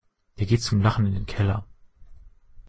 Der geht zum Lachen in den Keller.